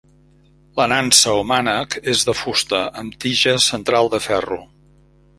La nansa o mànec és de fusta, amb tija central de ferro.